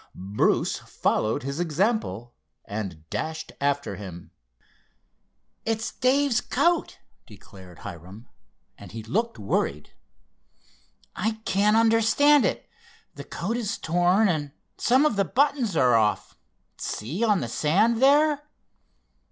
Bruce followed his example and dashed after him. "It's Dave's coat," declared Hiram, and he looked worried. "I can't understand it! The coat is torn and some of the buttons are off—see, on the sand there.